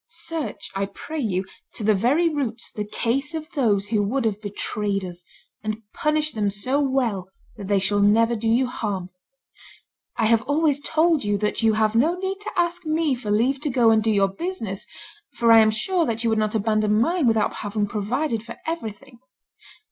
Search, I pray you, to the very roots the case of those who would have betrayed us, and punish them so well that they shall never do you harm. I have always told you that you have no need to ask me for leave to go and do your business, for I am sure that you would not abandon mine without having provided for everything.